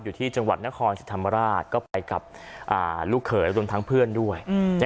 อยู่ที่จังหวัดนครสิรรธรรมราชก็ไปกับลูกเผลออยู่กับลูกทางเพื่อนด้วย